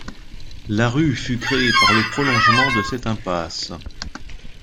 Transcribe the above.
La rue fut créée par le prolongement de cette impasse.